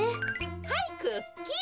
はいクッキー。